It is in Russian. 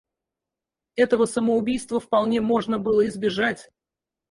Этого самоубийства вполне можно было избежать.